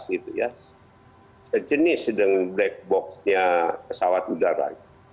aturan aimo itu ada yang namanya madas sejenis dengan black box nya pesawat udara